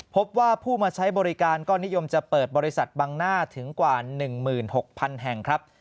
พบว่าผู้มาใช้บริการก็นิยมจะเปิดบริษัทบังหน้าถึงกว่า๑๖๐๐๐แห่งครับ